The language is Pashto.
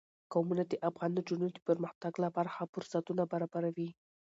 قومونه د افغان نجونو د پرمختګ لپاره ښه فرصتونه برابروي.